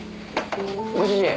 ご主人